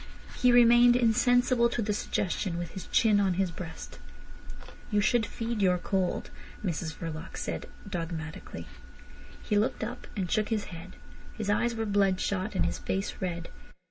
He remained insensible to the suggestion, with his chin on his breast. "You should feed your cold," Mrs Verloc said dogmatically. He looked up, and shook his head. His eyes were bloodshot and his face red.